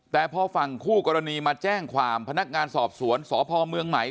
แต่พอฝั่งคู่กรณีมาแจ้งความพนักงานสอบสวนสพเมืองใหม่